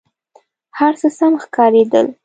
هر څه سم ښکارېدل.